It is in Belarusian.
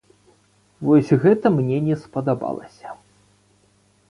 Вось гэта мне не спадабалася.